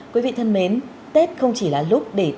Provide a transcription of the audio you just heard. quý vị thân mến tết không chỉ là lúc để tập trung